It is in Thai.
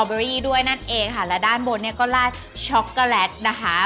เบอรี่ด้วยนั่นเองค่ะและด้านบนเนี่ยก็ลาดช็อกโกแลตนะคะ